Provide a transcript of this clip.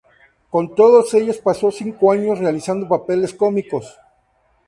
Con todos ellos pasó cinco años realizando papeles cómicos.